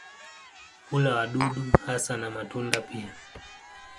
Hula wadudu hasa na matunda pia.